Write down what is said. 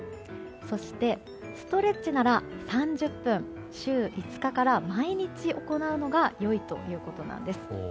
そして、ストレッチなら３０分、週５日から毎日行うのが良いということなんです。